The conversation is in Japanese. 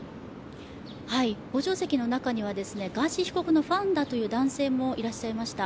傍聴席の中には、ガーシー被告のファンだという男性もいらっしゃいました。